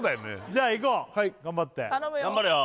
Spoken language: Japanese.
じゃあいこう頑張って頼むよ